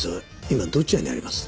今どちらにあります？